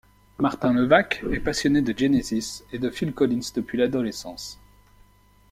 Martin Levac est passionné de Genesis et de Phil Collins depuis l'adolescence.